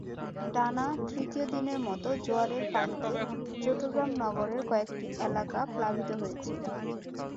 টানা তৃতীয় দিনের মতো জোয়ারের পানিতে চট্টগ্রাম নগরের কয়েকটি এলাকা প্লাবিত হয়েছে।